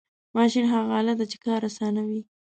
ماشین هغه آله ده چې کار آسانوي.